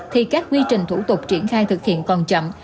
thì các quy trình thủ tục triển khai thực hiện còn chậm